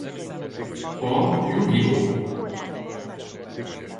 A Yu-Gi-Oh!